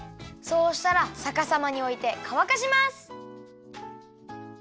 そうしたらさかさまにおいてかわかします。